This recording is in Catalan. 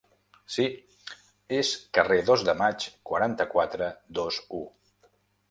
Sí, es carrer Dos de Maig, quaranta-quatre, dos-u.